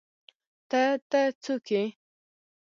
_ته، ته، څوک يې؟